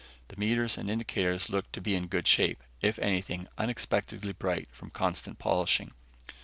The meters and indicators looked to be in good shape; if anything, unexpectedly bright from constant polishing.